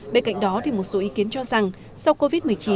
bên cạnh đó một số ý kiến cho rằng sau covid một mươi chín